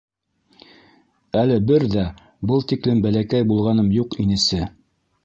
— Әле бер ҙә был тиклем бәләкәй булғаным юҡ инесе!